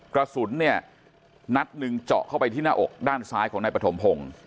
กระสุนเนี่ยนัดหนึ่งเจาะเข้าไปที่หน้าอกด้านซ้ายของนายปฐมพงศ์